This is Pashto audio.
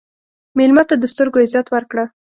مېلمه ته د سترګو عزت ورکړه.